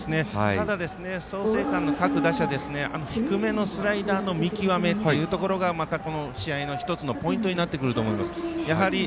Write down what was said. ただ、創成館の各打者低めのスライダーの見極めというところがこの試合の１つのポイントになってくると思います。